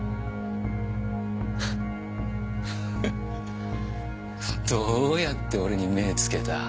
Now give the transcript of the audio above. フッフフッどうやって俺に目ぇつけた？